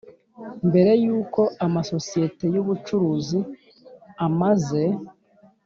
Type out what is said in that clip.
Mbere y uko amasosiyete y ubucuruzi amaze